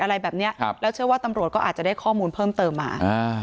อะไรแบบเนี้ยครับแล้วเชื่อว่าตำรวจก็อาจจะได้ข้อมูลเพิ่มเติมมาอ่า